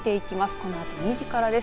このあと２時からです。